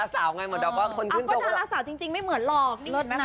แจ๊กกาลินเก่ง